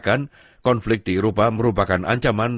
bahkan di antara rakyat kita